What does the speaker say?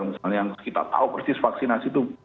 misalnya yang kita tahu persis vaksinasi itu